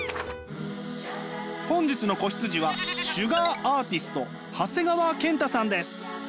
本日の子羊はシュガーアーティスト長谷川健太さんです。